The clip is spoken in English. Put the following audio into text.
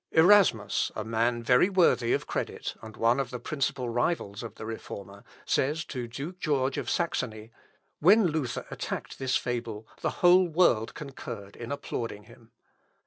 Erasmus, a man very worthy of credit, and one of the principal rivals of the Reformer, says to Duke George of Saxony, "When Luther attacked this fable, the whole world concurred in applauding him."